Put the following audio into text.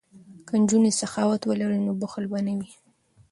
که نجونې سخاوت ولري نو بخل به نه وي.